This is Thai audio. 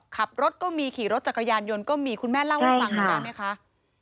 ขับรถก็มีขี่รถจักรยานยนต์ก็มีคุณแม่เล่าให้ฟังกันได้ไหมคะ